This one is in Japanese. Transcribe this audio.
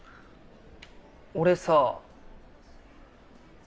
俺さ。